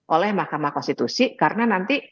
oleh mahkamah konstitusi karena nanti